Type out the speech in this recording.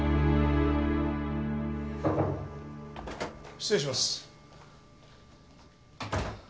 失礼します。